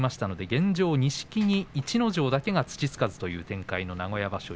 現状、錦木逸ノ城だけが土つかずという展開の名古屋場所